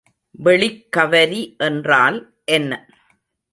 வெளிக்கவரி என்றால் என்ன?